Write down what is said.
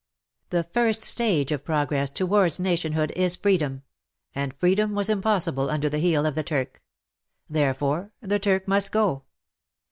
The first stage of progress towards nationhood is Freedom — and Freedom was impossible under the heel of the Turk. Therefore the Turk must go.